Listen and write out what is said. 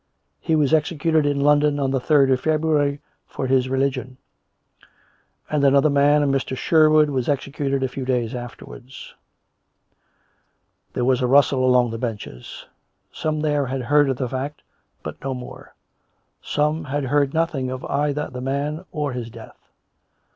He was executed in London on the third of Feb ruary for his religion. And another man, a Mr. Sherwood, was executed a few days afterwards." There was a rustle along the benches. Some there had heard of the fact, but no more; some had heard nothing of either the man or his death.